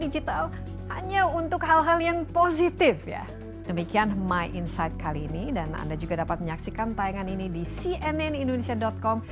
kita akan menyaksikan tayangan ini di cnnindonesia com